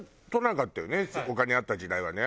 お金あった時代はね。